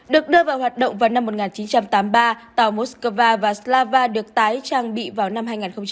được đưa vào hoạt động vào năm một nghìn chín trăm tám mươi ba tàu moscow và slava được tái trang bị vào năm hai nghìn một mươi